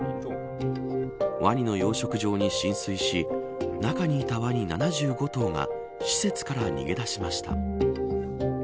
ワニの養殖場に浸水し中にいたワニ７５頭が施設から逃げ出しました。